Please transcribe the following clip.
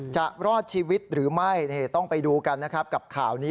จะรอดชีวิตหรือไม่ต้องไปดูกันนะครับกับข่าวนี้